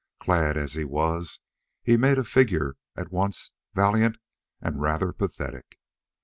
Clad as he was, he made a figure at once valiant and rather pathetic.